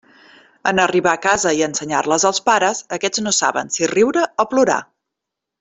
En arribar a casa i ensenyar-les als pares, aquests no saben si riure o plorar.